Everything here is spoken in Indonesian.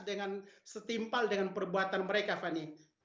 dengan setimpal dengan perbuatan mereka fani